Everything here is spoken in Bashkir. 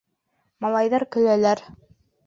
— Малайҙар көләләр.